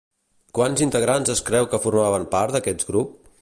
Quants integrants es creu que formaven part d'aquest grup?